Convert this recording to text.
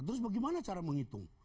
terus bagaimana cara menghitung